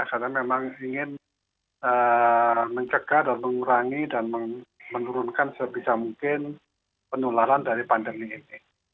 karena memang ingin mencegah dan mengurangi dan menurunkan sebisa mungkin penularan dari pandemi ini